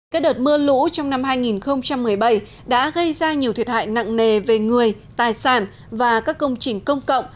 các đợt mưa lũ trong năm hai nghìn một mươi bảy đã gây ra nhiều thiệt hại nặng nề về người tài sản và các công trình công cộng